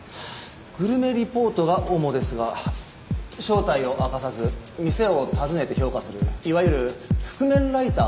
グルメリポートが主ですが正体を明かさず店を訪ねて評価するいわゆる覆面ライターのようです。